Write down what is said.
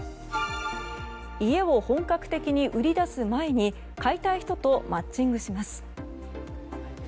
家を本格的に売り出す前に買いたい人とマッチングします。